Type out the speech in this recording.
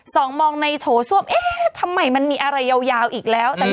สองมองในโถส้วมเอ๊ะทำไมมันมีอะไรยาวอีกแล้ว